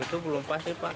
itu belum pasti pak